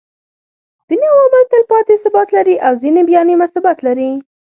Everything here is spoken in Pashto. ځيني عوامل تلپاتي ثبات لري او ځيني بيا نيمه ثبات لري